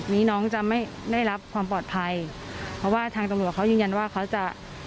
เพราะว่าทางตำรวจเขายืนยันว่าเขาจะ